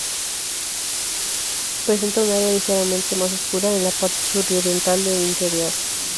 Presenta un área ligeramente más oscura en la parte suroriental del interior.